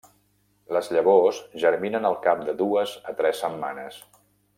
Les llavors germinen al cap de dues a tres setmanes.